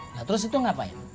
nah terus itu ngapain